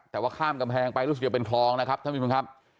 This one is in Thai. แต่ว่าข้ามกำแพงไปรู้สึกจะเป็นคลองนะครับท่านผู้ชมครับ